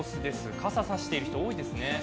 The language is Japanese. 傘を差している人、多いですね。